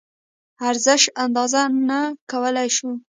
ارزش اندازه نه کولی شو.